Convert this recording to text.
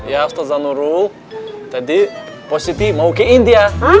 ya ustaz zanurul tadi positi mau ke india